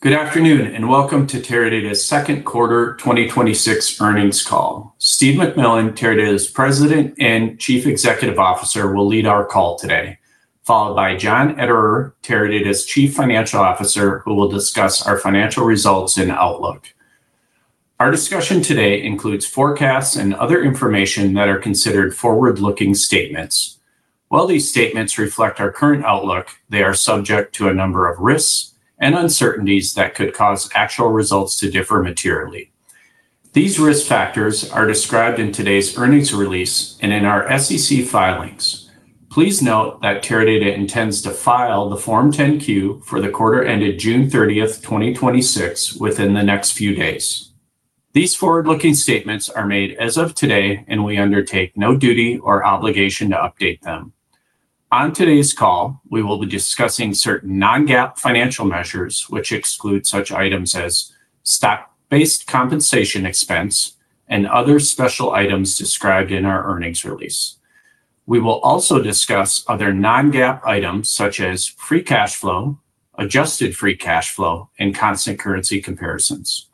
Good afternoon, and welcome to Teradata's Second Quarter 2026 Earnings Call. Steve McMillan, Teradata's President and Chief Executive Officer, will lead our call today, followed by John Ederer, Teradata's Chief Financial Officer, who will discuss our financial results and outlook. Our discussion today includes forecasts and other information that are considered forward-looking statements. While these statements reflect our current outlook, they are subject to a number of risks and uncertainties that could cause actual results to differ materially. These risk factors are described in today's earnings release and in our SEC filings. Please note that Teradata intends to file the Form 10-Q for the quarter ended June 30th, 2026, within the next few days. These forward-looking statements are made as of today, and we undertake no duty or obligation to update them. On today's call, we will be discussing certain non-GAAP financial measures which exclude such items as stock-based compensation expense and other special items described in our earnings release. We will also discuss other non-GAAP items such as free cash flow, adjusted free cash flow, and constant currency comparisons.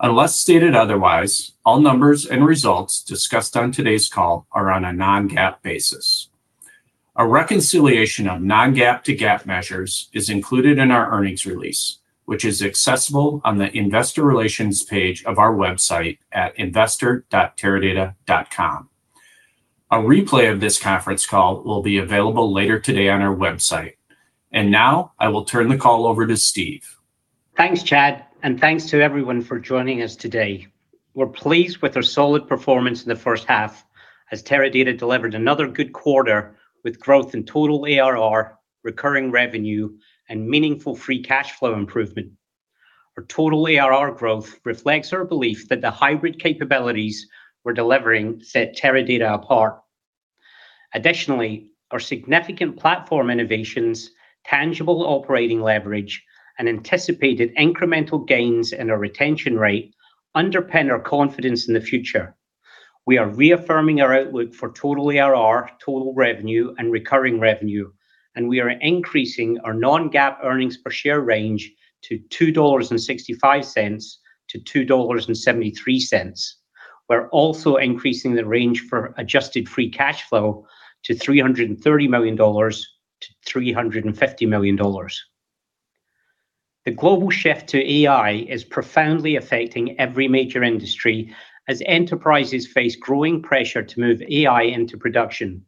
Unless stated otherwise, all numbers and results discussed on today's call are on a non-GAAP basis. A reconciliation of non-GAAP to GAAP measures is included in our earnings release, which is accessible on the investor relations page of our website at investor.teradata.com. A replay of this conference call will be available later today on our website. Now I will turn the call over to Steve. Thanks, Chad, and thanks to everyone for joining us today. We're pleased with our solid performance in the first half as Teradata delivered another good quarter with growth in total ARR, recurring revenue, and meaningful free cash flow improvement. Our total ARR growth reflects our belief that the hybrid capabilities we're delivering set Teradata apart. Additionally, our significant platform innovations, tangible operating leverage, and anticipated incremental gains in our retention rate underpin our confidence in the future. We are reaffirming our outlook for total ARR, total revenue, and recurring revenue, and we are increasing our non-GAAP earnings per share range to $2.65-$2.73. We're also increasing the range for adjusted free cash flow to $330 million-$350 million. The global shift to AI is profoundly affecting every major industry as enterprises face growing pressure to move AI into production.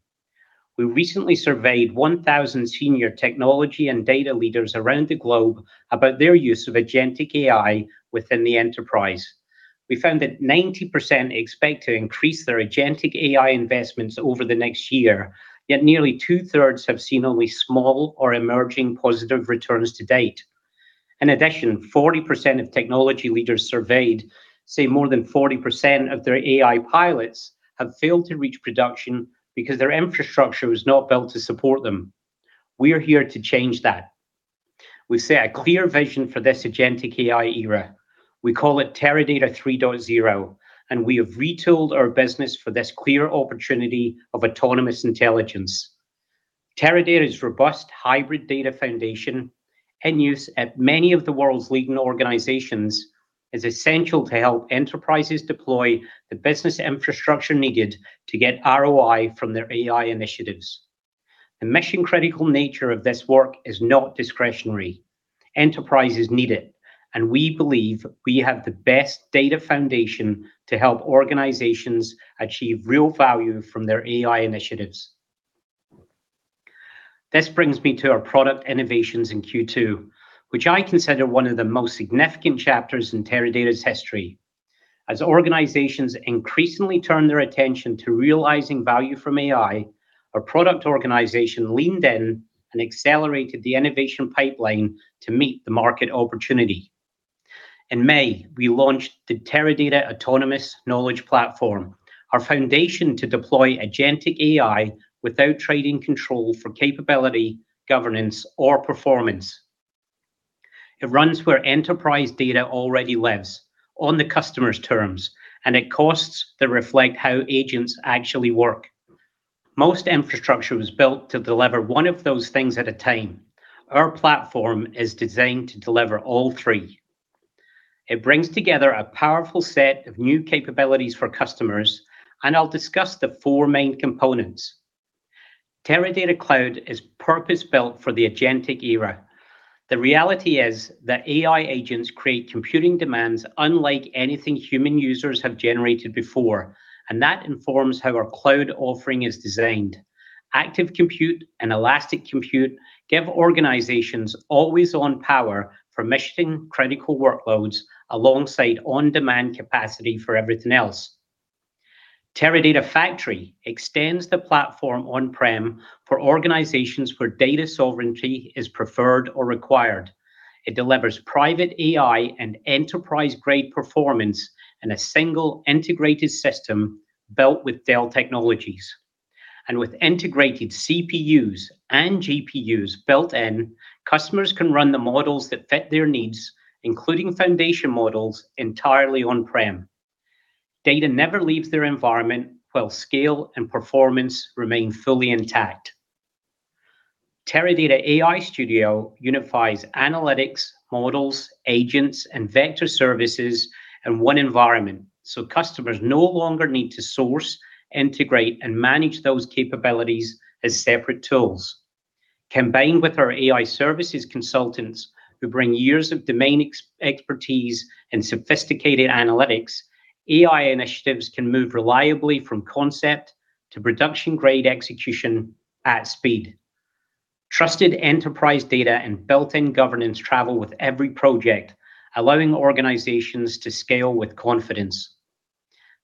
We recently surveyed 1,000 senior technology and data leaders around the globe about their use of agentic AI within the enterprise. We found that 90% expect to increase their agentic AI investments over the next year. Yet nearly 2/3 have seen only small or emerging positive returns to date. In addition, 40% of technology leaders surveyed say more than 40% of their AI pilots have failed to reach production because their infrastructure was not built to support them. We are here to change that. We set a clear vision for this agentic AI era. We call it Teradata 3.0, and we have retooled our business for this clear opportunity of autonomous intelligence. Teradata's robust hybrid data foundation, in use at many of the world's leading organizations, is essential to help enterprises deploy the business infrastructure needed to get ROI from their AI initiatives. The mission-critical nature of this work is not discretionary. Enterprises need it, and we believe we have the best data foundation to help organizations achieve real value from their AI initiatives. This brings me to our product innovations in Q2, which I consider one of the most significant chapters in Teradata's history. As organizations increasingly turn their attention to realizing value from AI, our product organization leaned in and accelerated the innovation pipeline to meet the market opportunity. In May, we launched the Teradata Autonomous Knowledge Platform, our foundation to deploy agentic AI without trading control for capability, governance, or performance. It runs where enterprise data already lives, on the customer's terms, and at costs that reflect how agents actually work. Most infrastructure was built to deliver one of those things at a time. Our platform is designed to deliver all three. It brings together a powerful set of new capabilities for customers, and I'll discuss the four main components. Teradata Cloud is purpose-built for the agentic era. The reality is that AI agents create computing demands unlike anything human users have generated before, and that informs how our cloud offering is designed. Active compute and elastic compute give organizations always-on power for mission-critical workloads alongside on-demand capacity for everything else. Teradata Factory extends the platform on-prem for organizations where data sovereignty is preferred or required. It delivers private AI and enterprise-grade performance in a single integrated system built with Dell Technologies. With integrated CPUs and GPUs built in, customers can run the models that fit their needs, including foundation models entirely on-prem. Data never leaves their environment, while scale and performance remain fully intact. Teradata AI Studio unifies analytics, models, agents, and vector services in one environment, customers no longer need to source, integrate, and manage those capabilities as separate tools. Combined with our AI services consultants, who bring years of domain expertise and sophisticated analytics, AI initiatives can move reliably from concept to production-grade execution at speed. Trusted enterprise data and built-in governance travel with every project, allowing organizations to scale with confidence.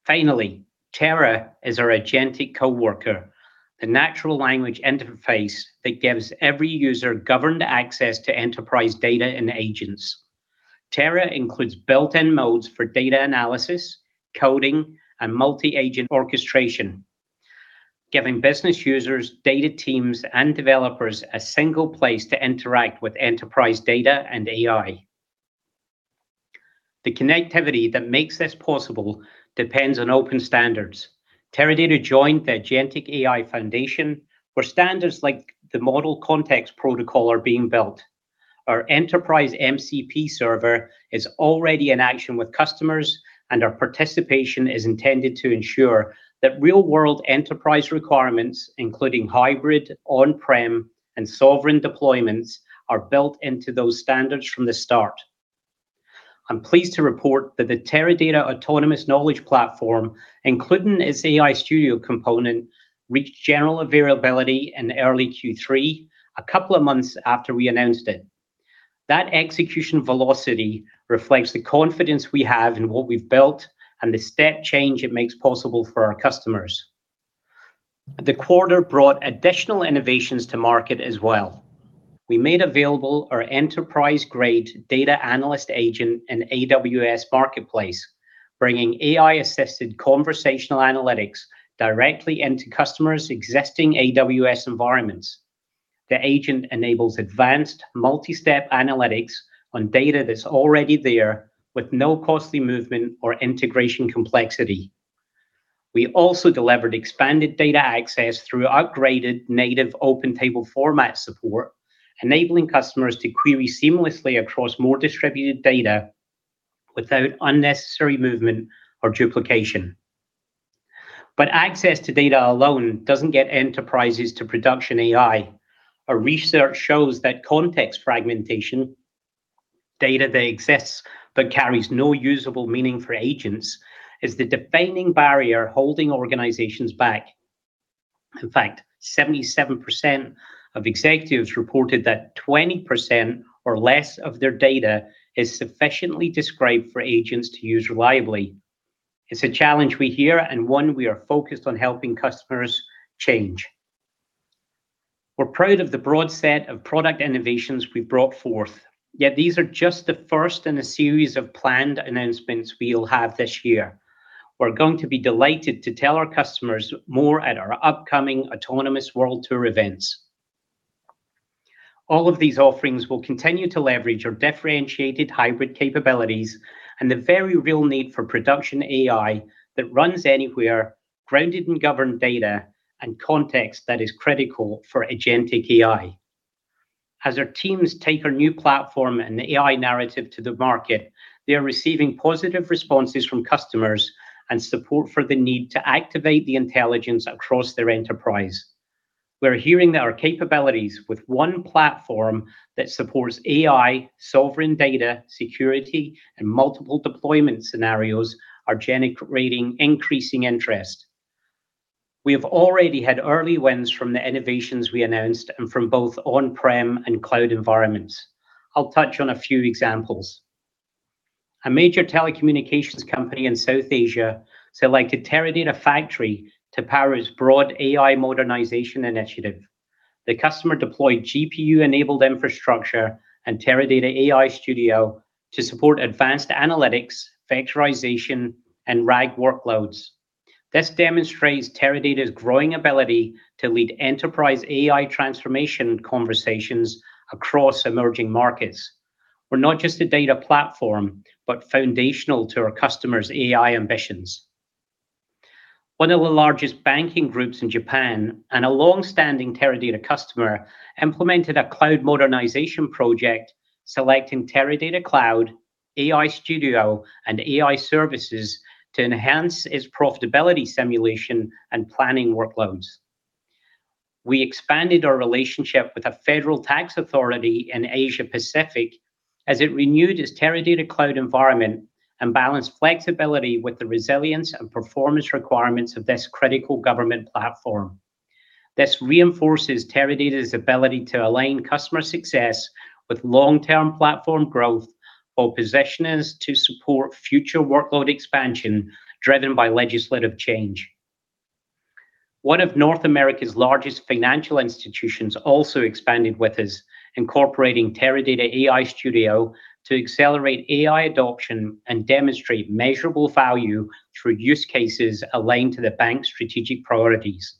Tera is our agentic coworker, the natural language interface that gives every user governed access to enterprise data and agents. Tera includes built-in modes for data analysis, coding, and multi-agent orchestration, giving business users, data teams, and developers a single place to interact with enterprise data and AI. The connectivity that makes this possible depends on open standards. Teradata joined the Agentic AI Foundation, where standards like the Model Context Protocol are being built. Our Enterprise MCP server is already in action with customers, our participation is intended to ensure that real-world enterprise requirements, including hybrid, on-prem, and sovereign deployments, are built into those standards from the start. I'm pleased to report that the Teradata Autonomous Knowledge Platform, including its AI Studio component, reached general availability in early Q3, a couple of months after we announced it. That execution velocity reflects the confidence we have in what we've built and the step change it makes possible for our customers. The quarter brought additional innovations to market as well. We made available our enterprise-grade data analyst agent in AWS Marketplace, bringing AI-assisted conversational analytics directly into customers' existing AWS environments. The agent enables advanced multi-step analytics on data that's already there, with no costly movement or integration complexity. We also delivered expanded data access through upgraded native open table format support, enabling customers to query seamlessly across more distributed data without unnecessary movement or duplication. Access to data alone doesn't get enterprises to production AI. Our research shows that context fragmentation, data that exists but carries no usable meaning for agents, is the defining barrier holding organizations back. In fact, 77% of executives reported that 20% or less of their data is sufficiently described for agents to use reliably. It's a challenge we hear and one we are focused on helping customers change. We're proud of the broad set of product innovations we've brought forth. Yet these are just the first in a series of planned announcements we'll have this year. We're going to be delighted to tell our customers more at our upcoming Autonomous World Tour events. All of these offerings will continue to leverage our differentiated hybrid capabilities and the very real need for production AI that runs anywhere, grounded in governed data, and context that is critical for agentic AI. As our teams take our new platform and AI narrative to the market, they are receiving positive responses from customers and support for the need to activate the intelligence across their enterprise. We're hearing that our capabilities with one platform that supports AI, sovereign data, security, and multiple deployment scenarios are generating increasing interest. We have already had early wins from the innovations we announced and from both on-prem and cloud environments. I'll touch on a few examples. A major telecommunications company in South Asia selected Teradata Factory to power its broad AI modernization initiative. The customer deployed GPU-enabled infrastructure and Teradata AI Studio to support advanced analytics, vectorization, and RAG workloads. This demonstrates Teradata's growing ability to lead enterprise AI transformation conversations across emerging markets. We're not just a data platform, but foundational to our customers' AI ambitions. One of the largest banking groups in Japan, and a longstanding Teradata customer, implemented a cloud modernization project selecting Teradata Cloud, AI Studio, and AI Services to enhance its profitability simulation and planning workloads. We expanded our relationship with a federal tax authority in Asia Pacific as it renewed its Teradata Cloud environment and balanced flexibility with the resilience and performance requirements of this critical government platform. This reinforces Teradata's ability to align customer success with long-term platform growth while positioning us to support future workload expansion driven by legislative change. One of North America's largest financial institutions also expanded with us, incorporating Teradata AI Studio to accelerate AI adoption and demonstrate measurable value through use cases aligned to the bank's strategic priorities.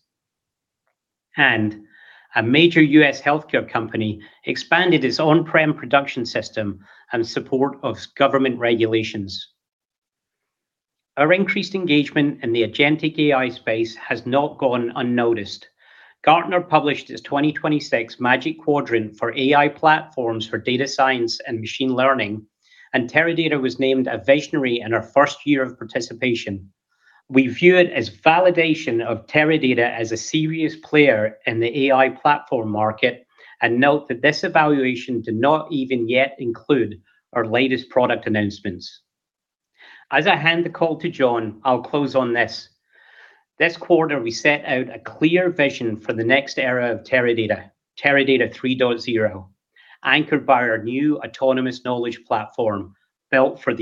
A major U.S. healthcare company expanded its on-prem production system in support of government regulations. Our increased engagement in the agentic AI space has not gone unnoticed. Gartner published its 2026 Magic Quadrant for AI platforms for data science and machine learning, and Teradata was named a visionary in our first year of participation. We view it as validation of Teradata as a serious player in the AI platform market, and note that this evaluation did not even yet include our latest product announcements. As I hand the call to John, I'll close on this. This quarter, we set out a clear vision for the next era of Teradata 3.0, anchored by our new Autonomous Knowledge Platform built for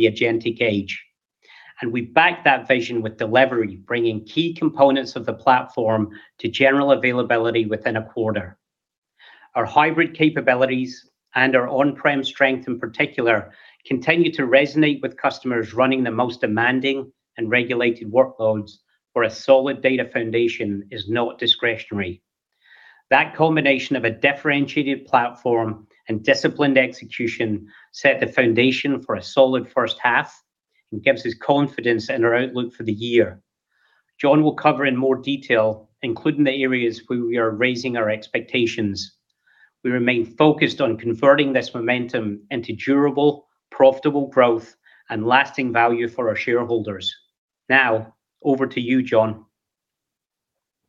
the agentic age. We backed that vision with delivery, bringing key components of the platform to general availability within a quarter. Our hybrid capabilities and our on-prem strength in particular, continue to resonate with customers running the most demanding and regulated workloads where a solid data foundation is not discretionary. That combination of a differentiated platform and disciplined execution set the foundation for a solid first half and gives us confidence in our outlook for the year. John will cover in more detail, including the areas where we are raising our expectations. We remain focused on converting this momentum into durable, profitable growth and lasting value for our shareholders. Now, over to you, John.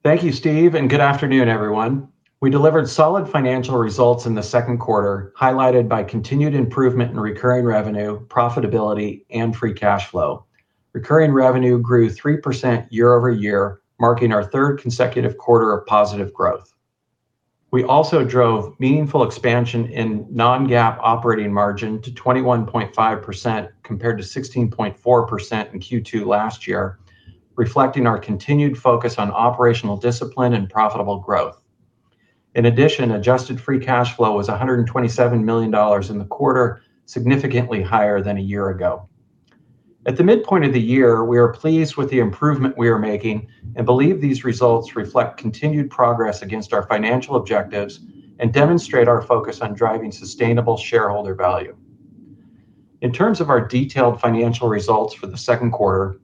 Thank you, Steve, and good afternoon, everyone. We delivered solid financial results in the second quarter, highlighted by continued improvement in recurring revenue, profitability, and free cash flow. Recurring revenue grew 3% year-over-year, marking our third consecutive quarter of positive growth. We also drove meaningful expansion in non-GAAP operating margin to 21.5% compared to 16.4% in Q2 last year, reflecting our continued focus on operational discipline and profitable growth. In addition, adjusted free cash flow was $127 million in the quarter, significantly higher than a year ago. At the midpoint of the year, we are pleased with the improvement we are making and believe these results reflect continued progress against our financial objectives and demonstrate our focus on driving sustainable shareholder value. In terms of our detailed financial results for the second quarter,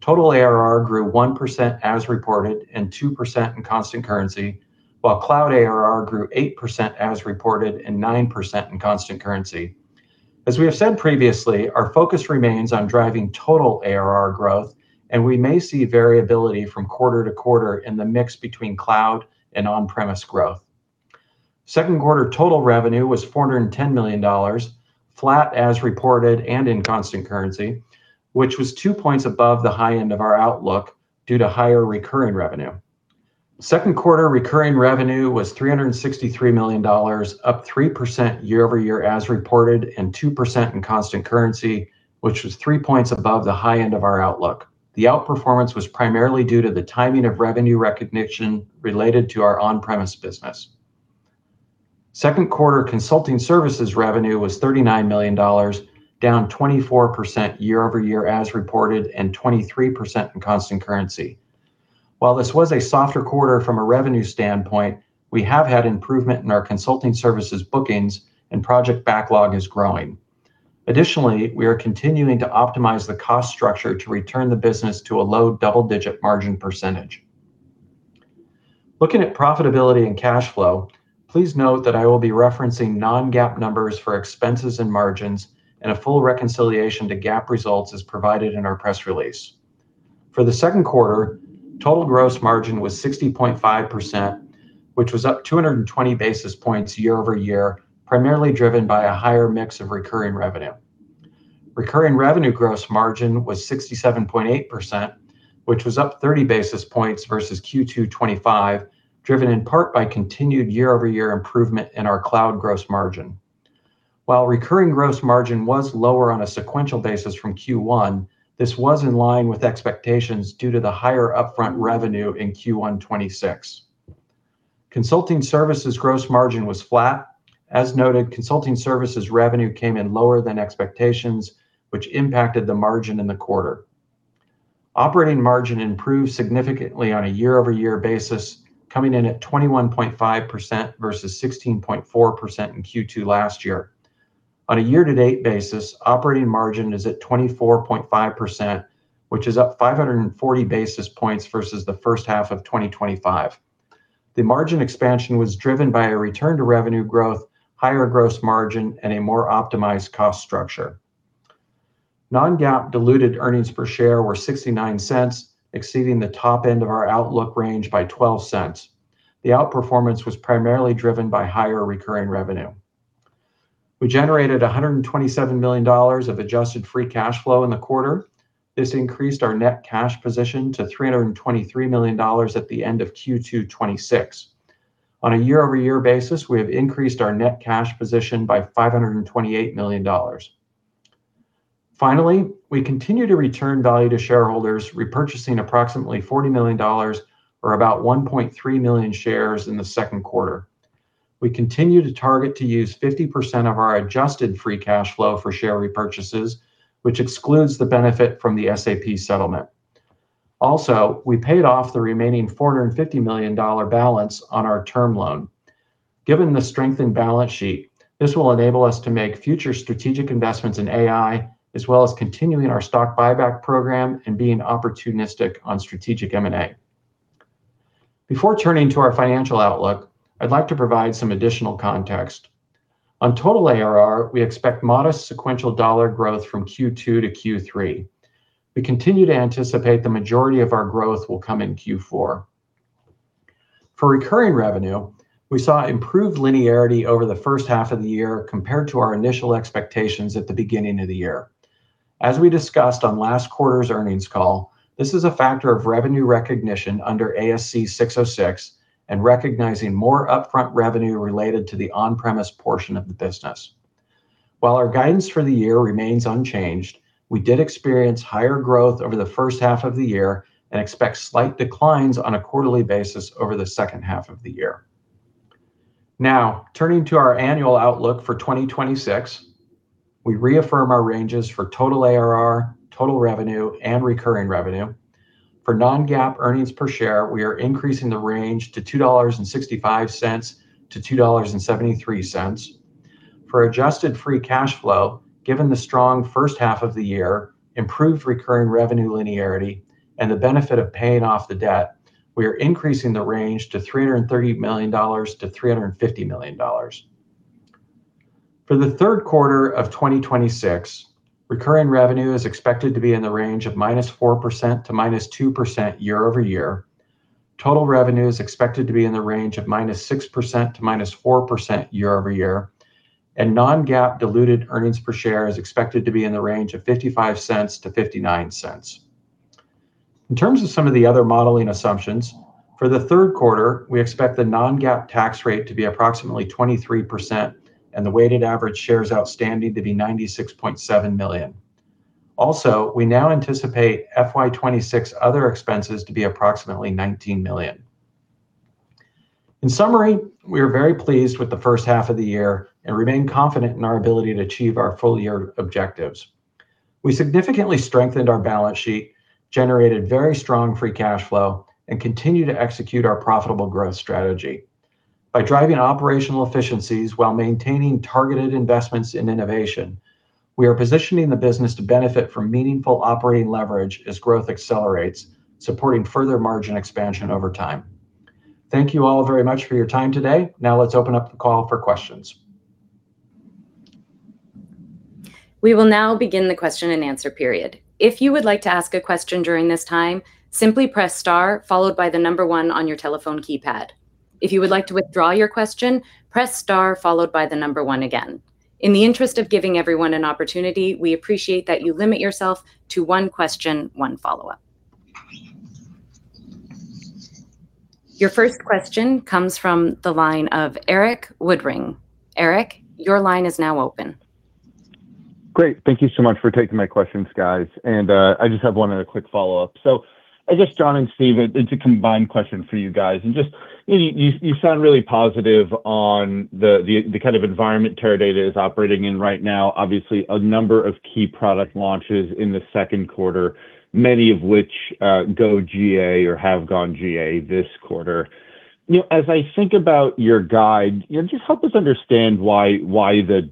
total ARR grew 1% as reported and 2% in constant currency, while cloud ARR grew 8% as reported and 9% in constant currency. As we have said previously, our focus remains on driving total ARR growth, and we may see variability from quarter-to-quarter in the mix between cloud and on-premise growth. Second quarter total revenue was $410 million, flat as reported and in constant currency, which was two points above the high end of our outlook due to higher recurring revenue. Second quarter recurring revenue was $363 million, up 3% year-over-year as reported, and 2% in constant currency, which was three points above the high end of our outlook. The outperformance was primarily due to the timing of revenue recognition related to our on-premise business. Second quarter consulting services revenue was $39 million, down 24% year-over-year as reported and 23% in constant currency. While this was a softer quarter from a revenue standpoint, we have had improvement in our consulting services bookings and project backlog is growing. Additionally, we are continuing to optimize the cost structure to return the business to a low double-digit margin percentage. Looking at profitability and cash flow, please note that I will be referencing non-GAAP numbers for expenses and margins, and a full reconciliation to GAAP results is provided in our press release. For the second quarter, total gross margin was 60.5%, which was up 220 basis points year-over-year, primarily driven by a higher mix of recurring revenue. Recurring revenue gross margin was 67.8%, which was up 30 basis points versus Q2 2025, driven in part by continued year-over-year improvement in our cloud gross margin. While recurring gross margin was lower on a sequential basis from Q1, this was in line with expectations due to the higher upfront revenue in Q1 2026. Consulting services gross margin was flat. As noted, consulting services revenue came in lower than expectations, which impacted the margin in the quarter. Operating margin improved significantly on a year-over-year basis, coming in at 21.5% versus 16.4% in Q2 2025. On a year-to-date basis, operating margin is at 24.5%, which is up 540 basis points versus the first half of 2025. The margin expansion was driven by a return to revenue growth, higher gross margin, and a more optimized cost structure. Non-GAAP diluted earnings per share were $0.69, exceeding the top end of our outlook range by $0.12. The outperformance was primarily driven by higher recurring revenue. We generated $127 million of adjusted free cash flow in the quarter. This increased our net cash position to $323 million at the end of Q2 2026. On a year-over-year basis, we have increased our net cash position by $528 million. Finally, we continue to return value to shareholders, repurchasing approximately $40 million or about 1.3 million shares in the second quarter. We continue to target to use 50% of our adjusted free cash flow for share repurchases, which excludes the benefit from the SAP settlement. We paid off the remaining $450 million balance on our term loan. Given the strengthened balance sheet, this will enable us to make future strategic investments in AI, as well as continuing our stock buyback program and being opportunistic on strategic M&A. Before turning to our financial outlook, I'd like to provide some additional context. On total ARR, we expect modest sequential dollar growth from Q2 to Q3. We continue to anticipate the majority of our growth will come in Q4. For recurring revenue, we saw improved linearity over the first half of the year compared to our initial expectations at the beginning of the year. As we discussed on last quarter's earnings call, this is a factor of revenue recognition under ASC 606 and recognizing more upfront revenue related to the on-premise portion of the business. While our guidance for the year remains unchanged, we did experience higher growth over the first half of the year and expect slight declines on a quarterly basis over the second half of the year. Turning to our annual outlook for 2026, we reaffirm our ranges for total ARR, total revenue and recurring revenue. For non-GAAP earnings per share, we are increasing the range to $2.65-$2.73. For adjusted free cash flow, given the strong first half of the year, improved recurring revenue linearity, and the benefit of paying off the debt, we are increasing the range to $330 million-$350 million. For the third quarter of 2026, recurring revenue is expected to be in the range of -4% to -2% year-over-year. Total revenue is expected to be in the range of -6% to -4% year-over-year. Non-GAAP diluted earnings per share is expected to be in the range of $0.55-$0.59. In terms of some of the other modeling assumptions, for the third quarter, we expect the non-GAAP tax rate to be approximately 23%, and the weighted average shares outstanding to be 96.7 million. We now anticipate FY 2026 other expenses to be approximately $19 million. In summary, we are very pleased with the first half of the year and remain confident in our ability to achieve our full-year objectives. We significantly strengthened our balance sheet, generated very strong free cash flow, and continue to execute our profitable growth strategy. By driving operational efficiencies while maintaining targeted investments in innovation, we are positioning the business to benefit from meaningful operating leverage as growth accelerates, supporting further margin expansion over time. Thank you all very much for your time today. Let's open up the call for questions. We will now begin the question-and-answer period. If you would like to ask a question during this time, simply press star followed by the number one on your telephone keypad. If you would like to withdraw your question, press star followed by the number one again. In the interest of giving everyone an opportunity, we appreciate that you limit yourself to one question, one follow-up. Your first question comes from the line of Erik Woodring. Erik, your line is now open. Great. Thank you so much for taking my questions, guys. I just have one other quick follow-up. I guess, John and Steve, it's a combined question for you guys. You sound really positive on the kind of environment Teradata is operating in right now. Obviously, a number of key product launches in the second quarter, many of which go GA or have gone GA this quarter. As I think about your guide, just help us understand why the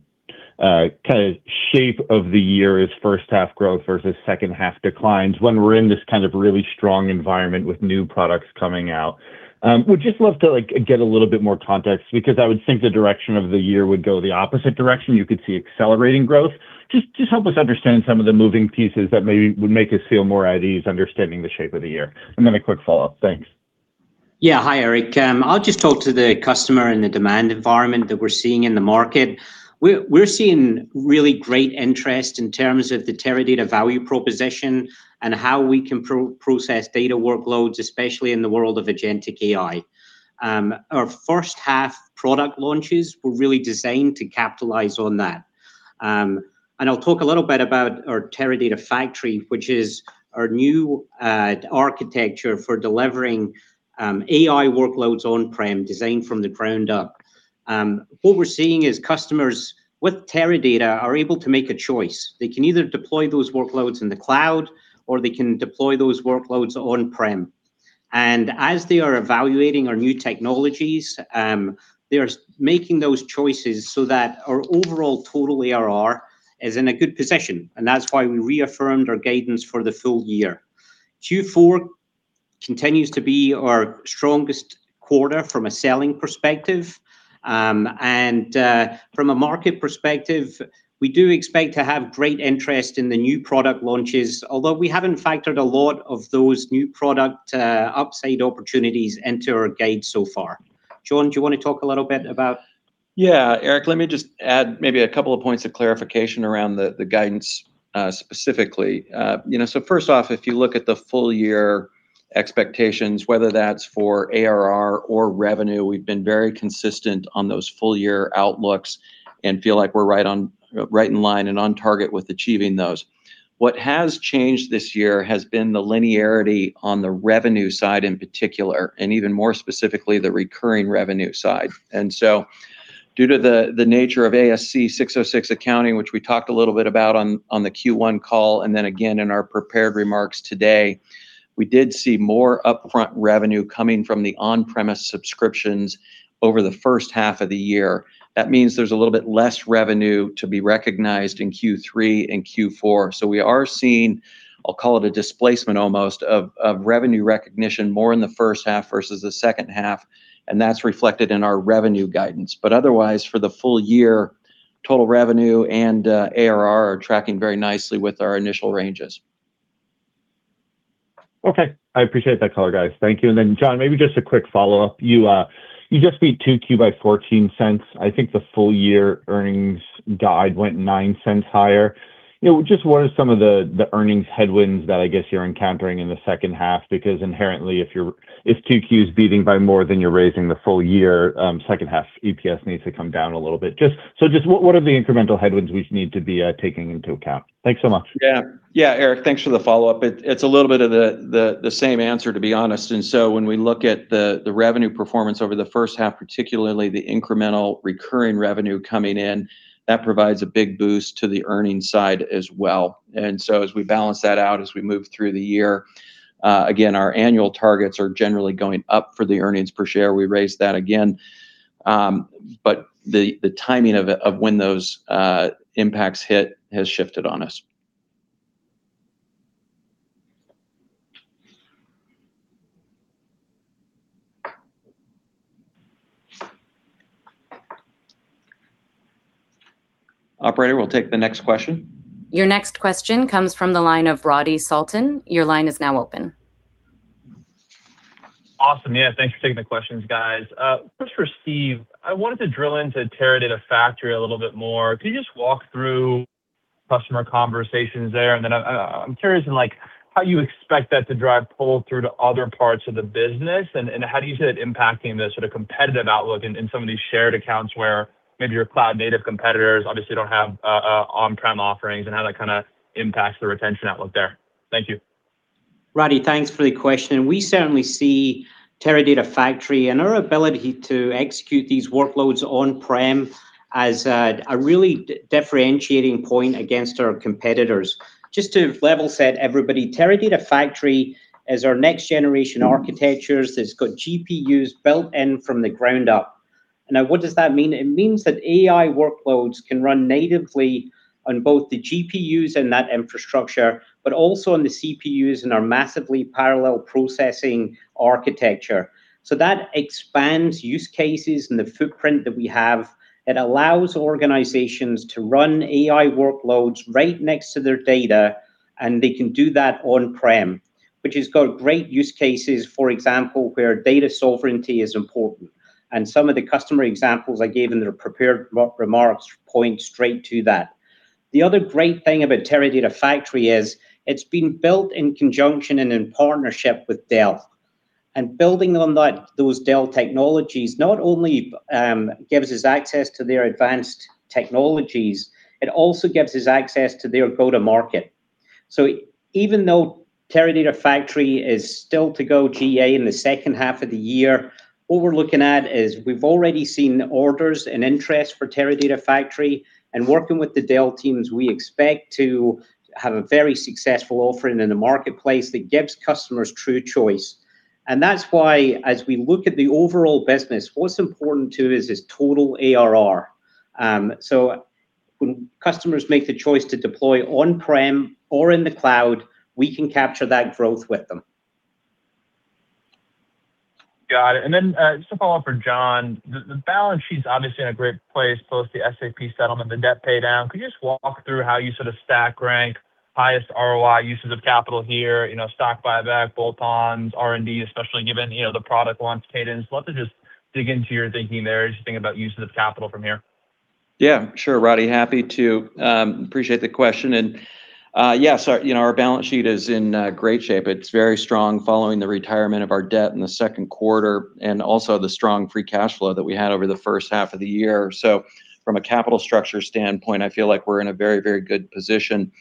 shape of the year is first half growth versus second half declines when we're in this kind of really strong environment with new products coming out. Would just love to get a little bit more context because I would think the direction of the year would go the opposite direction. You could see accelerating growth. Just help us understand some of the moving pieces that maybe would make us feel more at ease understanding the shape of the year. A quick follow-up. Thanks. Yeah. Hi, Erik. I'll just talk to the customer and the demand environment that we're seeing in the market. We're seeing really great interest in terms of the Teradata value proposition and how we can process data workloads, especially in the world of Agentic AI. Our first half product launches were really designed to capitalize on that. I'll talk a little bit about our Teradata AI Factory, which is our new architecture for delivering AI workloads on-prem, designed from the ground up. What we're seeing is customers with Teradata are able to make a choice. They can either deploy those workloads in the cloud, or they can deploy those workloads on-prem. As they are evaluating our new technologies, they are making those choices so that our overall total ARR is in a good position, and that's why we reaffirmed our guidance for the full year. Q4 continues to be our strongest quarter from a selling perspective. From a market perspective, we do expect to have great interest in the new product launches, although we haven't factored a lot of those new product upside opportunities into our guide so far. John, do you want to talk a little bit about Yeah, Erik, let me just add maybe a couple of points of clarification around the guidance specifically. First off, if you look at the full year expectations, whether that's for ARR or revenue, we've been very consistent on those full year outlooks and feel like we're right in line and on target with achieving those. What has changed this year has been the linearity on the revenue side in particular, and even more specifically, the recurring revenue side. Due to the nature of ASC 606 accounting, which we talked a little bit about on the Q1 call, and again in our prepared remarks today, we did see more upfront revenue coming from the on-premise subscriptions over the first half of the year. That means there's a little bit less revenue to be recognized in Q3 and Q4. We are seeing, I'll call it a displacement almost, of revenue recognition more in the first half versus the second half, and that's reflected in our revenue guidance. Otherwise, for the full year, total revenue and ARR are tracking very nicely with our initial ranges. Okay. I appreciate that color, guys. Thank you. John, maybe just a quick follow-up. You just beat 2Q by $0.14. I think the full year earnings guide went $0.09 higher. Just what are some of the earnings headwinds that I guess you're encountering in the second half? Inherently, if 2Q's beating by more than you're raising the full year, second half EPS needs to come down a little bit. Just, what are the incremental headwinds we need to be taking into account? Thanks so much. Yeah. Erik, thanks for the follow-up. It's a little bit of the same answer, to be honest. When we look at the revenue performance over the first half, particularly the incremental recurring revenue coming in, that provides a big boost to the earnings side as well. As we balance that out, as we move through the year, again, our annual targets are generally going up for the EPS. We raised that again. The timing of when those impacts hit has shifted on us. Operator, we'll take the next question. Your next question comes from the line of Radi Sultan. Your line is now open. Awesome. Yeah, thanks for taking the questions, guys. First for Steve, I wanted to drill into Teradata AI Factory a little bit more. Can you just walk through customer conversations there? I'm curious in how you expect that to drive pull through to other parts of the business, and how do you see it impacting the sort of competitive outlook in some of these shared accounts where maybe your cloud-native competitors obviously don't have on-prem offerings, and how that kind of impacts the retention outlook there. Thank you. Radi, thanks for the question. We certainly see Teradata AI Factory and our ability to execute these workloads on-prem as a really differentiating point against our competitors. Just to level set everybody, Teradata AI Factory is our next generation architectures. It's got GPUs built in from the ground up. Now, what does that mean? It means that AI workloads can run natively on both the GPUs and that infrastructure, but also on the CPUs and our massively parallel processing architecture. That expands use cases and the footprint that we have. It allows organizations to run AI workloads right next to their data, and they can do that on-prem, which has got great use cases, for example, where data sovereignty is important. Some of the customer examples I gave in the prepared remarks point straight to that. The other great thing about Teradata AI Factory is it's been built in conjunction and in partnership with Dell. Building on those Dell Technologies not only gives us access to their advanced technologies, it also gives us access to their go-to-market. Even though Teradata AI Factory is still to go GA in the second half of the year, what we're looking at is we've already seen orders and interest for Teradata AI Factory, and working with the Dell teams, we expect to have a very successful offering in the marketplace that gives customers true choice. That's why, as we look at the overall business, what's important too is total ARR. When customers make the choice to deploy on-prem or in the cloud, we can capture that growth with them. Got it. Just a follow-up for John. The balance sheet's obviously in a great place post the SAP settlement, the debt pay down. Could you just walk through how you sort of stack rank highest ROI uses of capital here, stock buyback, bolt-ons, R&D, especially given the product launch cadence? Love to just dig into your thinking there, just thinking about uses of capital from here. Yeah. Sure, Radi. Happy to. Appreciate the question. Yeah, our balance sheet is in great shape. It's very strong following the retirement of our debt in the second quarter, and also the strong free cash flow that we had over the first half of the year. From a capital structure standpoint, I feel like we're in a very, very good position.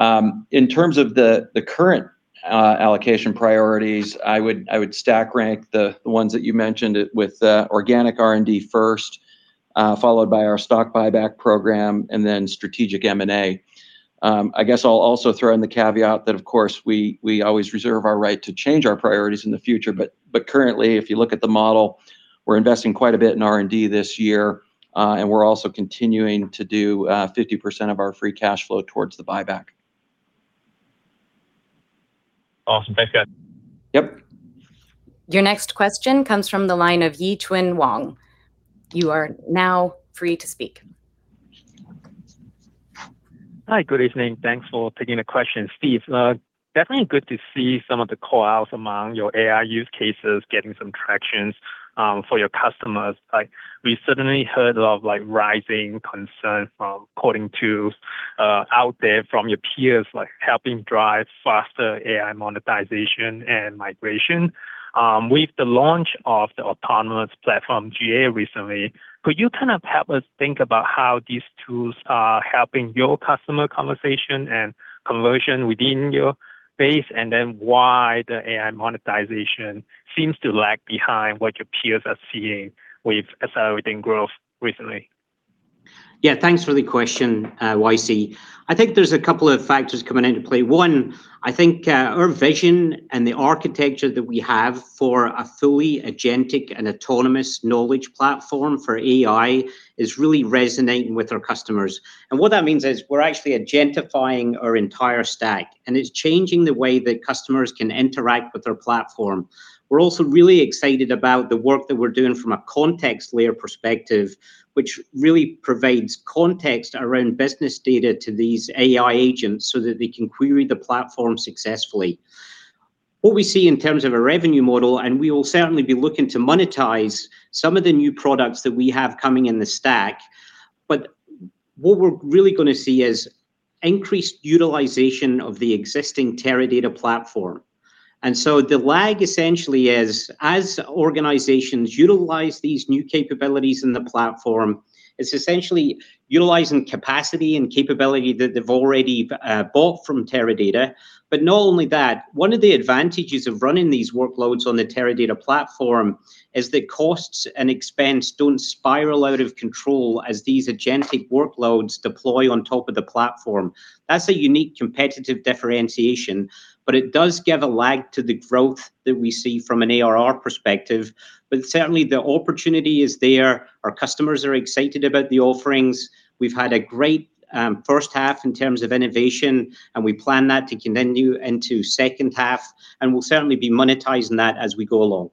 In terms of the current allocation priorities, I would stack rank the ones that you mentioned with organic R&D first, followed by our stock buyback program, and then strategic M&A. I guess I'll also throw in the caveat that, of course, we always reserve our right to change our priorities in the future, but currently, if you look at the model, we're investing quite a bit in R&D this year. We're also continuing to do 50% of our free cash flow towards the buyback. Awesome. Thanks, guys. Yep. Your next question comes from the line of Yitchuin Wong. You are now free to speak. Hi, good evening. Thanks for taking the question. Steve, definitely good to see some of the call-outs among your AI use cases getting some traction for your customers. We certainly heard of rising concern from according to out there from your peers, helping drive faster AI monetization and migration. With the launch of the autonomous platform GA recently, could you kind of help us think about how these tools are helping your customer conversation and conversion within your base, and then why the AI monetization seems to lag behind what your peers are seeing with accelerating growth recently? Yeah, thanks for the question, YC. I think there are two factors coming into play. One, I think our vision and the architecture that we have for a fully agentic and Autonomous Knowledge Platform for AI is really resonating with our customers. What that means is we're actually agentifying our entire stack, and it's changing the way that customers can interact with our platform. We're also really excited about the work that we're doing from a context layer perspective, which really provides context around business data to these AI agents so that they can query the platform successfully. What we see in terms of a revenue model, and we will certainly be looking to monetize some of the new products that we have coming in the stack, but what we're really going to see is increased utilization of the existing Teradata platform. The lag essentially is as organizations utilize these new capabilities in the platform, it's essentially utilizing capacity and capability that they've already bought from Teradata. Not only that, one of the advantages of running these workloads on the Teradata platform is that costs and expense don't spiral out of control as these agentic workloads deploy on top of the platform. That's a unique competitive differentiation, but it does give a lag to the growth that we see from an ARR perspective. Certainly the opportunity is there. Our customers are excited about the offerings. We've had a great first half in terms of innovation, and we plan that to continue into second half, and we'll certainly be monetizing that as we go along.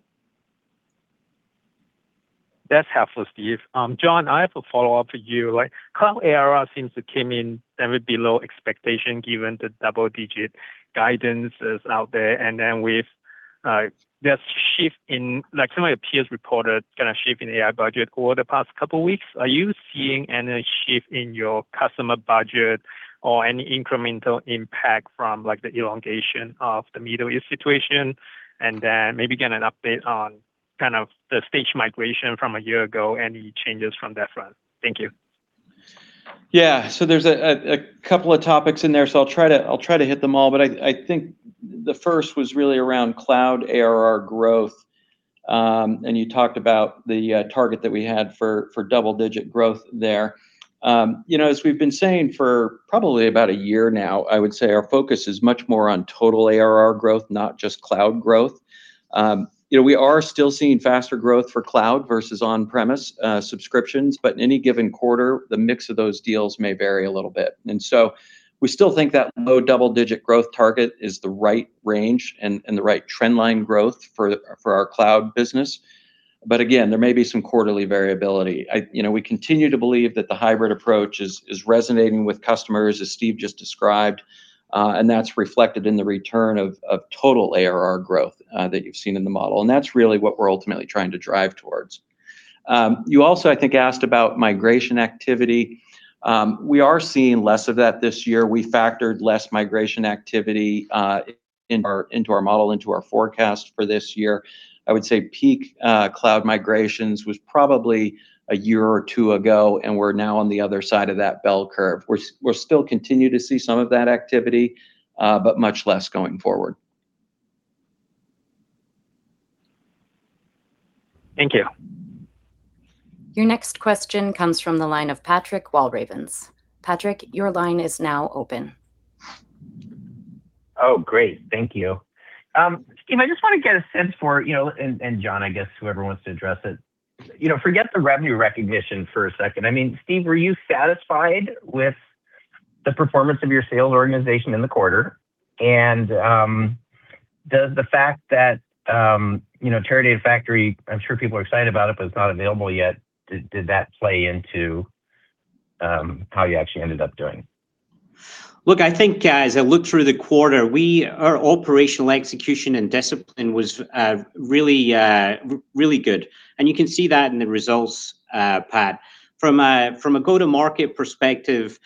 That's helpful, Steve. John, I have a follow-up for you. Cloud ARR seems to came in ever below expectation, given the double-digit guidance is out there. With this shift in, some of the peers reported a shift in AI budget over the past two weeks. Are you seeing any shift in your customer budget or any incremental impact from the elongation of the Middle East situation? Maybe get an update on the stage migration from one year ago, any changes from that front? Thank you. Yeah. There are two topics in there, so I'll try to hit them all. I think the first was really around cloud ARR growth. You talked about the target that we had for double-digit growth there. As we've been saying for probably about one year now, I would say our focus is much more on total ARR growth, not just cloud growth. We are still seeing faster growth for cloud versus on-premise subscriptions, but in any given quarter, the mix of those deals may vary a little bit. We still think that low double-digit growth target is the right range and the right trend line growth for our cloud business. Again, there may be some quarterly variability. We continue to believe that the hybrid approach is resonating with customers, as Steve just described, and that's reflected in the return of total ARR growth that you've seen in the model. That's really what we're ultimately trying to drive towards. You also, I think, asked about migration activity. We are seeing less of that this year. We factored less migration activity into our model, into our forecast for this year. I would say peak cloud migrations was probably a year or two ago, and we're now on the other side of that bell curve. We'll still continue to see some of that activity, but much less going forward. Thank you. Your next question comes from the line of Patrick Walravens. Patrick, your line is now open. Oh, great. Thank you. Steve, I just want to get a sense for, John, I guess whoever wants to address it. Forget the revenue recognition for a second. Steve, were you satisfied with the performance of your sales organization in the quarter? Does the fact that Teradata Factory, I'm sure people are excited about it, but it's not available yet, did that play into how you actually ended up doing? Look, I think as I look through the quarter, our operational execution and discipline was really good. You can see that in the results, Pat. From a go-to-market perspective,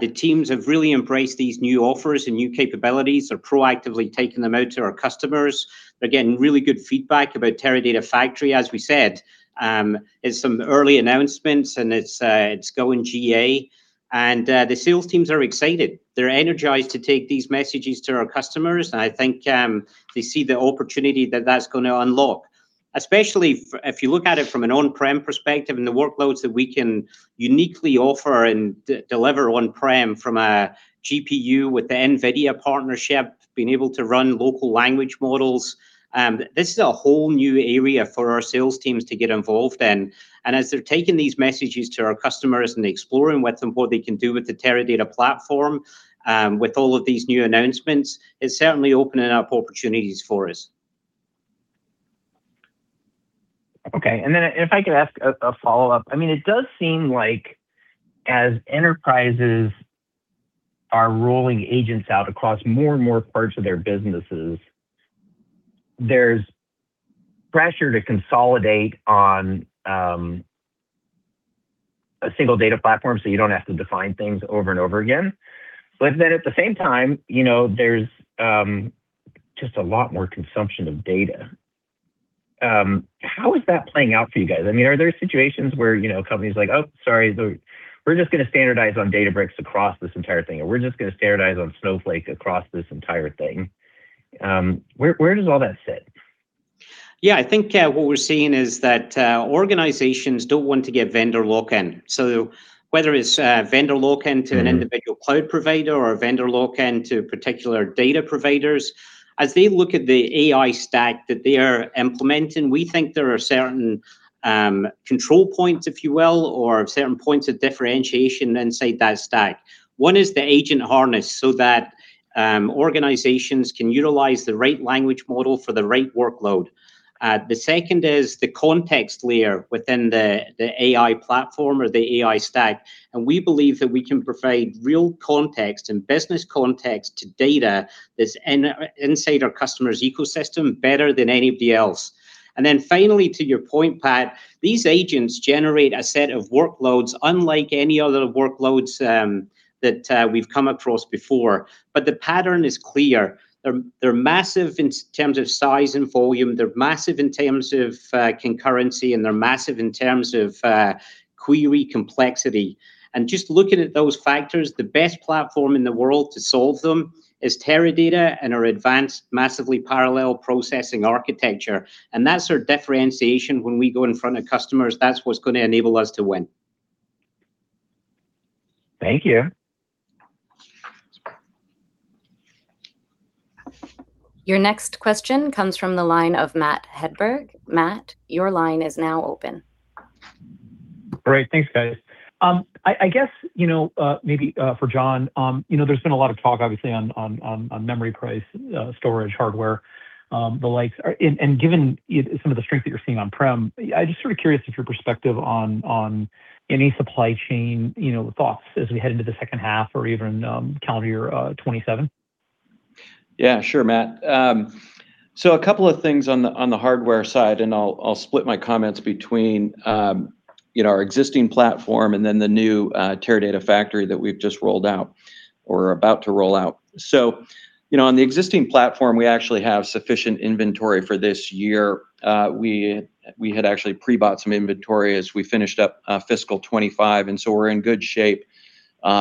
the teams have really embraced these new offers and new capabilities. They're proactively taking them out to our customers. They're getting really good feedback about Teradata AI Factory. As we said, it's some early announcements. It's going GA, the sales teams are excited. They're energized to take these messages to our customers. I think they see the opportunity that that's going to unlock. Especially if you look at it from an on-prem perspective and the workloads that we can uniquely offer and deliver on-prem from a GPU with the NVIDIA partnership, being able to run local language models. This is a whole new area for our sales teams to get involved in. As they're taking these messages to our customers and exploring with them what they can do with the Teradata platform with all of these new announcements, it's certainly opening up opportunities for us. Okay. If I could ask a follow-up. It does seem like as enterprises are rolling agents out across more and more parts of their businesses, there's pressure to consolidate on a single data platform so you don't have to define things over and over again. At the same time, there's just a lot more consumption of data. How is that playing out for you guys? Are there situations where companies are like, "Oh, sorry. We're just going to standardize on Databricks across this entire thing," or, "We're just going to standardize on Snowflake across this entire thing." Where does all that sit? Yeah, I think what we're seeing is that organizations don't want to get vendor lock-in. Whether it's vendor lock-in to an individual cloud provider or a vendor lock-in to particular data providers, as they look at the AI stack that they are implementing, we think there are certain control points, if you will, or certain points of differentiation inside that stack. One is the agent harness, so that organizations can utilize the right language model for the right workload. The second is the context layer within the AI platform or the AI stack. We believe that we can provide real context and business context to data that's inside our customer's ecosystem better than anybody else. Finally, to your point, Pat, these agents generate a set of workloads unlike any other workloads that we've come across before. The pattern is clear. They're massive in terms of size and volume, they're massive in terms of concurrency, and they're massive in terms of query complexity. Just looking at those factors, the best platform in the world to solve them is Teradata and our advanced massively parallel processing architecture. That's our differentiation when we go in front of customers. That's what's going to enable us to win. Thank you. Your next question comes from the line of Matt Hedberg. Matt, your line is now open. Great. Thanks, guys. I guess, maybe for John, there's been a lot of talk, obviously, on memory price, storage, hardware, the likes. Given some of the strength that you're seeing on-prem, I'm just sort of curious of your perspective on any supply chain thoughts as we head into the second half or even calendar year 2027. Yeah. Sure, Matt. A couple of things on the hardware side, I'll split my comments between our existing platform and then the new Teradata AI Factory that we've just rolled out or are about to roll out. On the existing platform, we actually have sufficient inventory for this year. We had actually pre-bought some inventory as we finished up fiscal 2025, we're in good shape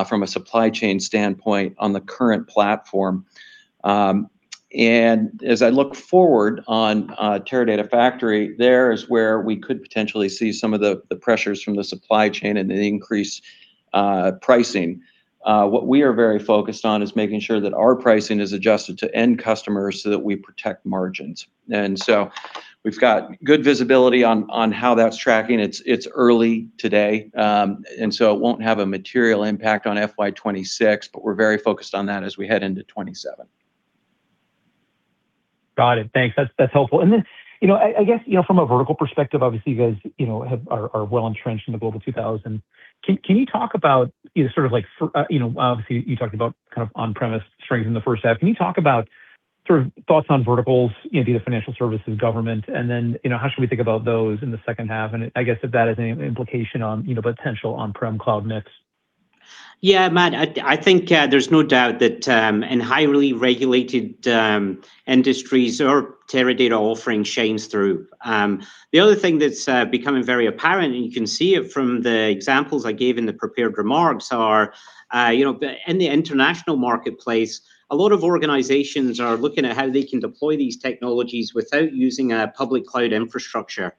from a supply chain standpoint on the current platform. As I look forward on Teradata AI Factory, there is where we could potentially see some of the pressures from the supply chain and an increased pricing. What we are very focused on is making sure that our pricing is adjusted to end customers so that we protect margins. We've got good visibility on how that's tracking. It's early today, it won't have a material impact on FY 2026, we're very focused on that as we head into 2027. Got it. Thanks. That's helpful. I guess from a vertical perspective, obviously, you guys are well-entrenched in the Global 2000. Obviously, you talked about on-premise strength in the first half. Can you talk about thoughts on verticals, be it financial services, government, how should we think about those in the second half, I guess if that has any implication on potential on-prem cloud mix? Yeah, Matt, I think there's no doubt that in highly regulated industries, our Teradata offering shines through. The other thing that's becoming very apparent, you can see it from the examples I gave in the prepared remarks, are in the international marketplace, a lot of organizations are looking at how they can deploy these technologies without using a public cloud infrastructure.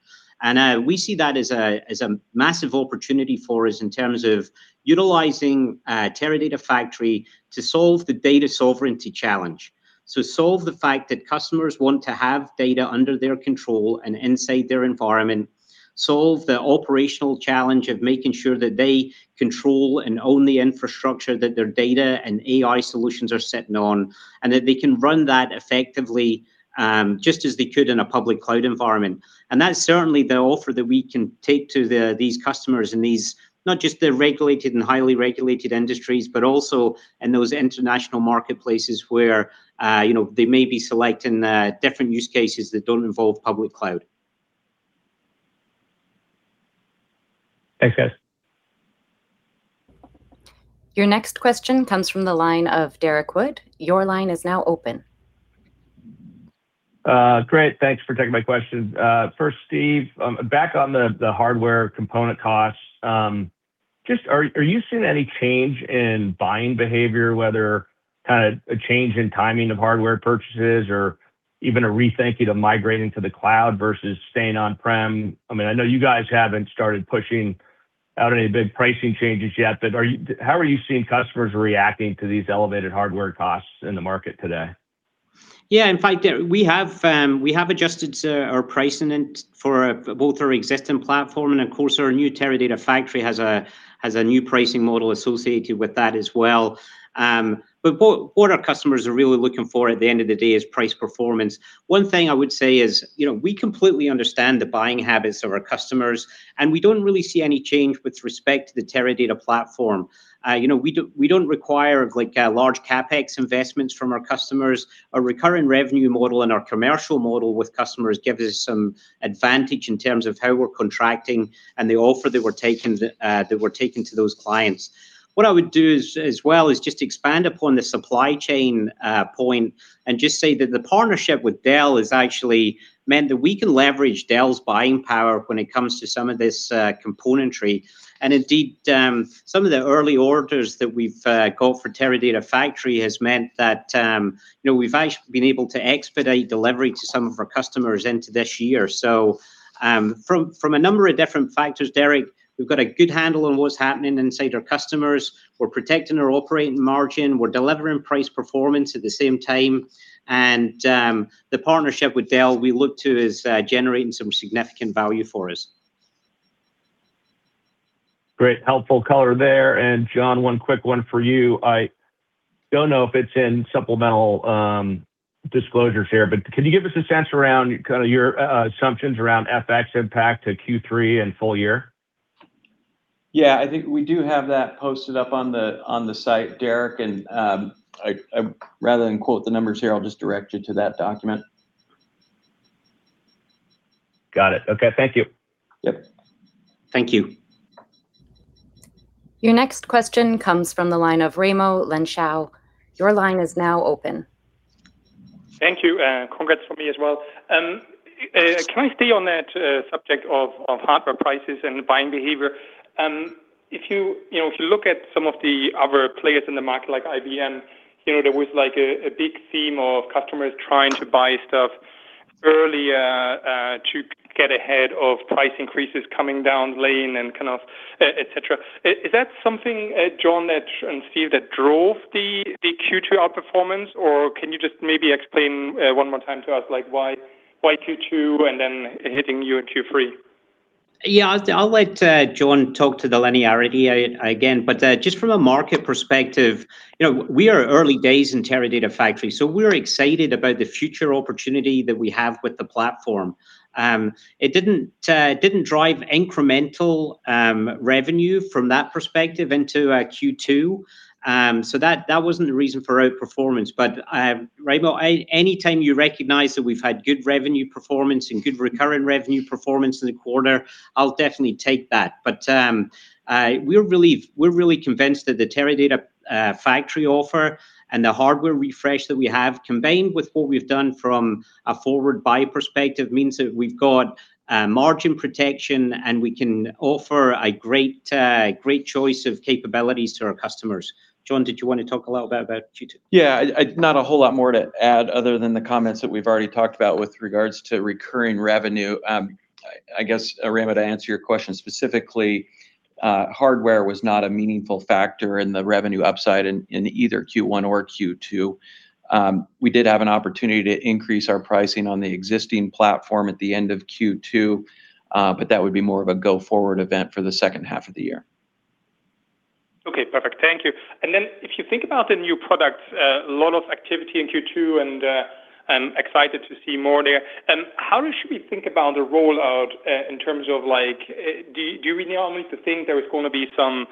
We see that as a massive opportunity for us in terms of utilizing Teradata AI Factory to solve the data sovereignty challenge. Solve the fact that customers want to have data under their control and inside their environment, solve the operational challenge of making sure that they control and own the infrastructure that their data and AI solutions are sitting on, and that they can run that effectively, just as they could in a public cloud environment. That's certainly the offer that we can take to these customers in these not just the regulated and highly regulated industries, but also in those international marketplaces where they may be selecting different use cases that don't involve public cloud. Thanks, guys. Your next question comes from the line of Derrick Wood. Your line is now open. Great. Thanks for taking my question. First, Steve, back on the hardware component costs. Just are you seeing any change in buying behavior, whether kind of a change in timing of hardware purchases or even a rethinking of migrating to the cloud versus staying on-prem? I know you guys haven't started pushing out any big pricing changes yet, but how are you seeing customers reacting to these elevated hardware costs in the market today? Yeah. In fact, Derrick, we have adjusted our pricing for both our existing platform and of course, our new Teradata AI Factory has a new pricing model associated with that as well. What our customers are really looking for at the end of the day is price performance. One thing I would say is we completely understand the buying habits of our customers, and we don't really see any change with respect to the Teradata platform. We don't require large CapEx investments from our customers. Our recurring revenue model and our commercial model with customers gives us some advantage in terms of how we're contracting and the offer that we're taking to those clients. What I would do as well is just expand upon the supply chain point and just say that the partnership with Dell has actually meant that we can leverage Dell's buying power when it comes to some of this componentry. Indeed, some of the early orders that we've got for Teradata AI Factory has meant that we've actually been able to expedite delivery to some of our customers into this year. From a number of different factors, Derrick, we've got a good handle on what's happening inside our customers. We're protecting our operating margin. We're delivering price performance at the same time. The partnership with Dell, we look to as generating some significant value for us. Great helpful color there. John, one quick one for you. I don't know if it's in supplemental disclosures here, but can you give us a sense around your assumptions around FX impact to Q3 and full year? Yeah, I think we do have that posted up on the site, Derrick. Rather than quote the numbers here, I'll just direct you to that document. Got it. Okay. Thank you. Yep. Thank you. Your next question comes from the line of Raimo Lenschow. Your line is now open. Thank you, and congrats from me as well. Can I stay on that subject of hardware prices and buying behavior? If you look at some of the other players in the market like IBM, there was a big theme of customers trying to buy stuff early to get ahead of price increases coming down lane and kind of etc. Is that something, John and Steve, that drove the Q2 outperformance, or can you just maybe explain one more time to us why Q2 and then hitting you in Q3? Yeah. I'll let John talk to the linearity again, but just from a market perspective, we are early days in Teradata AI Factory, we're excited about the future opportunity that we have with the platform. It didn't drive incremental revenue from that perspective into our Q2. That wasn't the reason for outperformance. Raimo, anytime you recognize that we've had good revenue performance and good recurring revenue performance in the quarter, I'll definitely take that. We're really convinced that the Teradata AI Factory offer and the hardware refresh that we have, combined with what we've done from a forward buy perspective, means that we've got margin protection, and we can offer a great choice of capabilities to our customers. John, did you want to talk a little bit about Q2? Yeah, not a whole lot more to add other than the comments that we've already talked about with regards to recurring revenue. I guess, Raimo, to answer your question specifically, hardware was not a meaningful factor in the revenue upside in either Q1 or Q2. We did have an opportunity to increase our pricing on the existing platform at the end of Q2, that would be more of a go-forward event for the second half of the year. Okay, perfect. Thank you. If you think about the new products, a lot of activity in Q2, I'm excited to see more there. How should we think about the rollout in terms of, do we now need to think there is going to be some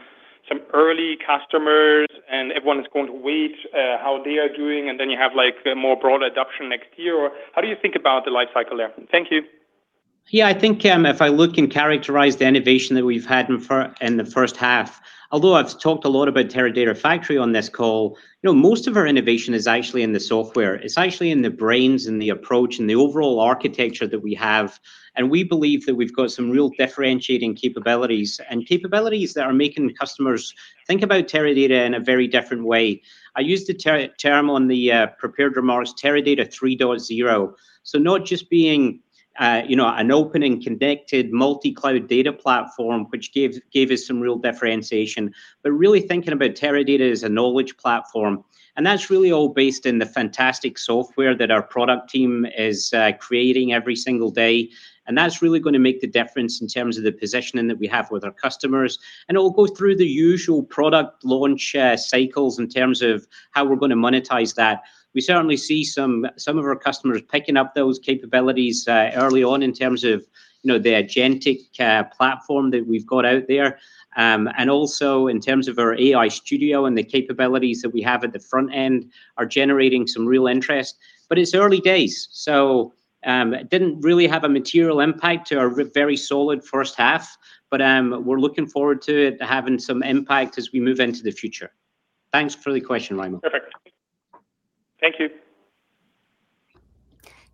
early customers, everyone is going to wait how they are doing, then you have the more broader adoption next year? How do you think about the life cycle there? Thank you. Yeah, I think if I look and characterize the innovation that we've had in the first half, although I've talked a lot about Teradata AI Factory on this call, most of our innovation is actually in the software. It's actually in the brains, and the approach, and the overall architecture that we have, and we believe that we've got some real differentiating capabilities, and capabilities that are making customers think about Teradata in a very different way. I used the term on the prepared remarks, Teradata 3.0. Not just being an open and connected multi-cloud data platform, which gave us some real differentiation, but really thinking about Teradata as a knowledge platform, and that's really all based in the fantastic software that our product team is creating every single day, and that's really going to make the difference in terms of the positioning that we have with our customers, and it'll go through the usual product launch cycles in terms of how we're going to monetize that. We certainly see some of our customers picking up those capabilities early on in terms of the Agentic platform that we've got out there. Also in terms of our AI Studio and the capabilities that we have at the front end are generating some real interest, but it's early days, so it didn't really have a material impact to our very solid first half. We're looking forward to it having some impact as we move into the future. Thanks for the question, Raimo. Perfect. Thank you.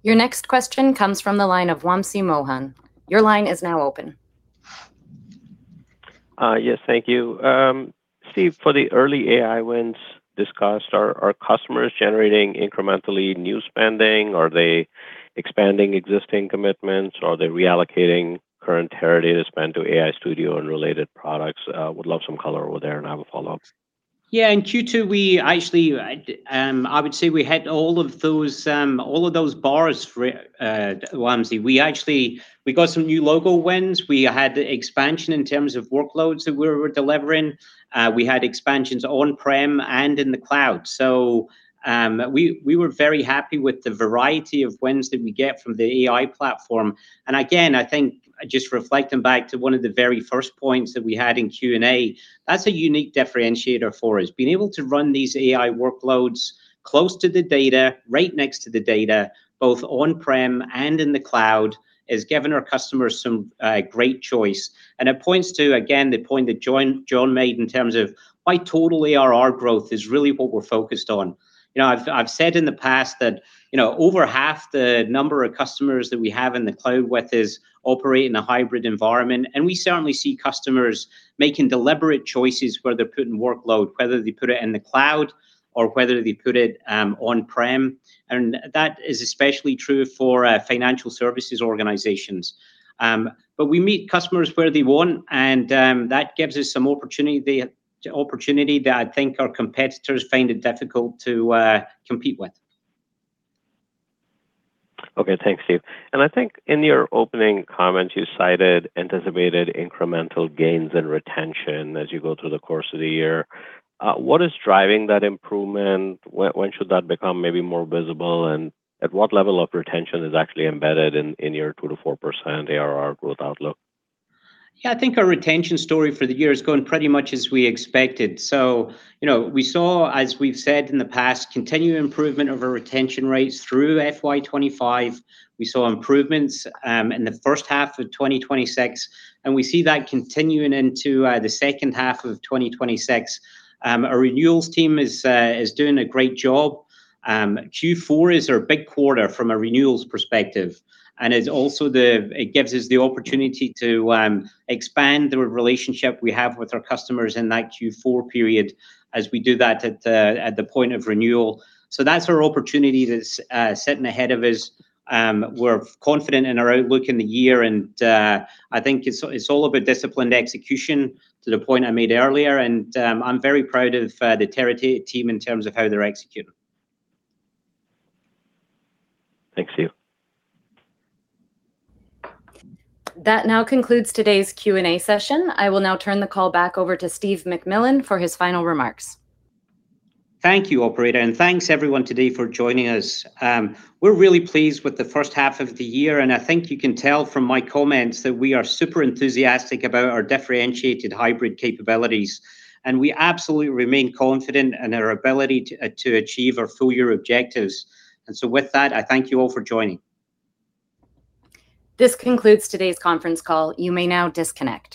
Your next question comes from the line of Wamsi Mohan. Your line is now open. Yes. Thank you. Steve, for the early AI wins discussed, are customers generating incrementally new spending? Are they expanding existing commitments? Are they reallocating current Teradata spend to AI Studio and related products? Would love some color over there, and I have a follow-up. Yeah. In Q2, I would say we had all of those bars, Wamsi. We got some new logo wins. We had expansion in terms of workloads that we were delivering. We had expansions on-prem and in the cloud. We were very happy with the variety of wins that we get from the AI platform. And again, I think just reflecting back to one of the very first points that we had in Q&A, that's a unique differentiator for us. Being able to run these AI workloads close to the data, right next to the data, both on-prem and in the cloud, has given our customers some great choice, and it points to, again, the point that John made in terms of why total ARR growth is really what we're focused on. I've said in the past that over half the number of customers that we have in the cloud with us operate in a hybrid environment, we certainly see customers making deliberate choices where they're putting workload, whether they put it in the cloud or whether they put it on-prem. That is especially true for financial services organizations. We meet customers where they want, and that gives us some opportunity that I think our competitors find it difficult to compete with. Okay. Thanks, Steve. I think in your opening comments, you cited anticipated incremental gains in retention as you go through the course of the year. What is driving that improvement? When should that become maybe more visible, and at what level of retention is actually embedded in your 2%-4% ARR growth outlook? Yeah. I think our retention story for the year is going pretty much as we expected. We saw, as we've said in the past, continued improvement of our retention rates through FY 2025. We saw improvements in the first half of 2026, and we see that continuing into the second half of 2026. Our renewals team is doing a great job. Q4 is our big quarter from a renewals perspective, and it gives us the opportunity to expand the relationship we have with our customers in that Q4 period as we do that at the point of renewal. That's our opportunity that's sitting ahead of us. We're confident in our outlook in the year, and I think it's all about disciplined execution to the point I made earlier, and I'm very proud of the Teradata team in terms of how they're executing. Thanks, Steve. That now concludes today's Q&A session. I will now turn the call back over to Steve McMillan for his final remarks. Thank you, operator, and thanks everyone today for joining us. We're really pleased with the first half of the year, and I think you can tell from my comments that we are super enthusiastic about our differentiated hybrid capabilities, and we absolutely remain confident in our ability to achieve our full-year objectives. With that, I thank you all for joining. This concludes today's conference call. You may now disconnect.